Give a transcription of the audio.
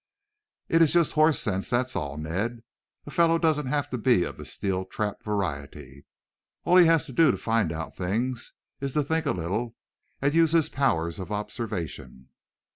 "It is just horse sense, that's all, Ned. A fellow doesn't have to be of the steel trap variety. All he has to do to find out things is to think a little and use his powers of observation."